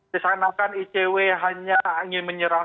tusanakan icw hanya ingin menyerang